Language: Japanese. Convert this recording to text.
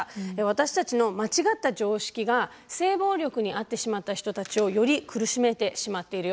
私たちの間違った常識が性暴力に遭ってしまった人たちをより苦しめてしまっているようです。